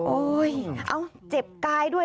เอ้าเจ็บกายด้วย